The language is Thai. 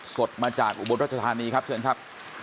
สดมาจากอุบลรัชธานีครับเชิญครับ